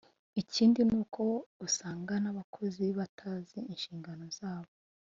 Ikindi ni uko usanga n’abakozi batazi inshingano zabo